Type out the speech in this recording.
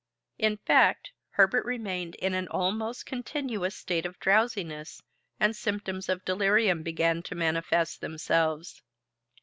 In fact, Herbert remained in an almost continuous state of drowsiness, and symptoms of delirium began to manifest themselves.